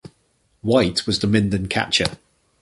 White was the Minden catcher.